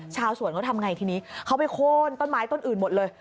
ชาวสวนเขาทำไงทีนี้เขาไปโค้นต้นไม้ต้นอื่นหมดเลย